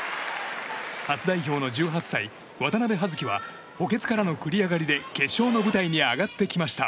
初代表の１８歳渡部葉月は補欠からの繰り上がりで決勝の舞台に上がってきました。